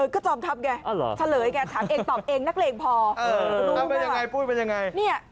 เขาเป็นจอมทัพไง